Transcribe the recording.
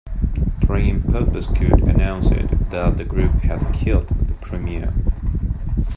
Traian Popescu announced that the group had killed the Premier.